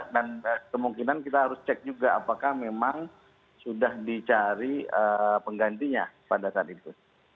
dan kemungkinan kita harus cek juga apakah memang sudah dicari penggantinya pada saat itu